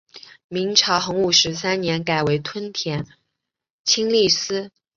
明朝洪武十三年改为屯田清吏司。